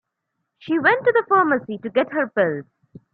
She went to the pharmacy to get her pills.